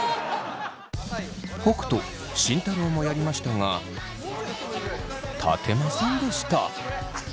北斗慎太郎もやりましたが立てませんでした。